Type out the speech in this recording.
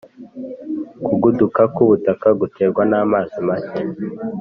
Kugunduka k’ubutaka guterwa namazi make